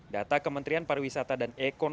data kementrian pariwisata dan eko